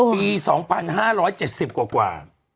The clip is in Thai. ปี๒๕๗๐กว่า